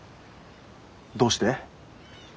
どうして？